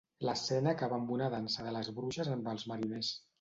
L'escena acaba amb una dansa de les bruixes amb els mariners.